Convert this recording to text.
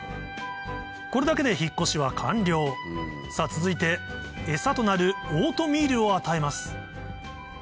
これだけで引っ越しは完了さぁ続いてエサとなるオートミールを与えます